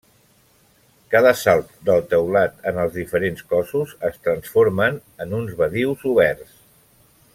Cada salt del teulat en els diferents cossos es transformen en uns badius oberts.